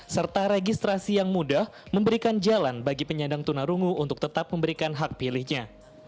serta registrasi yang mudah memberikan jalan bagi penyandang tunarungu untuk tetap memberikan hak pilihnya